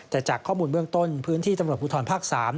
แต่จากข้อมูลเบื้องต้นพื้นที่ตำรวจภูทรภาค๓